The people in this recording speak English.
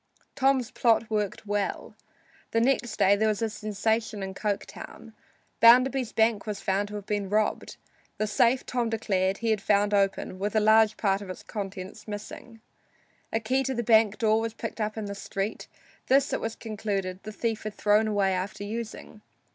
Tom's plot worked well. Next day there was a sensation in Coketown. Bounderby's bank was found to have been robbed. The safe, Tom declared, he had found open, with a large part of its contents missing. A key to the bank door was picked up in the street; this, it was concluded, the thief had thrown away after using.